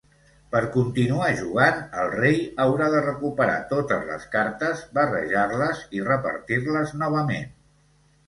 Per continuar jugant, el rei haurà de recuperar totes les cartes, barrejar-les i repartir-les novament.